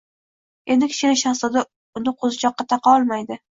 Endi Kichkina shahzoda uni qo'zichoqqa taqa olmaydi.